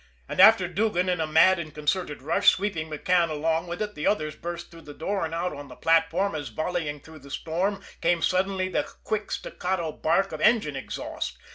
And after Duggan, in a mad and concerted rush, sweeping McCann along with it, the others burst through the door and out on the platform, as, volleying through the storm, came suddenly the quick, staccato bark of engine exhaust.